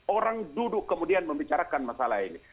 orang duduk kemudian membicarakan masalah ini